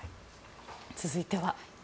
続いては。